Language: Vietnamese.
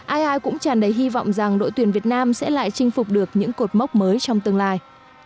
ai ai cũng chàn đầy hy vọng rằng đội tuyển việt nam sẽ lại chinh phục được những cột mốc mới trong tương lai